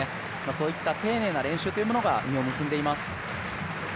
そういった丁寧な練習というものが実を結んでいます。